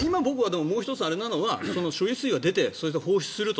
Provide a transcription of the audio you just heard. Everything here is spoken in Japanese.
もう１つあれなのは処理水が出て放出すると。